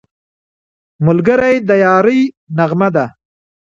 ملګری د یارۍ نغمه ده